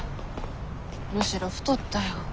むしろ太ったよ。